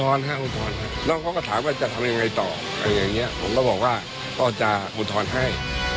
โอเวิร์ดอ้าวิบัติอะลอมออกตอนแล้วก็ถามว่าจะทำยังไงต่ออะไรแบบงี้ก็บอกว่าเขาจะมือยมืดธรรมให้